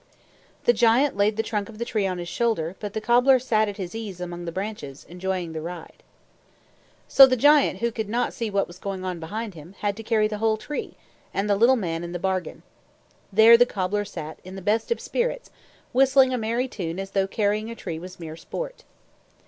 The giant laid the trunk of the tree on his shoulder, but the cobbler sat at his ease among the branches, enjoying the ride. So the giant, who could not see what was going on behind him, had to carry the whole tree, and the little man in the bargain. There the cobbler sat, in the best of spirits, whistling a merry tune as though carrying a tree was mere sport.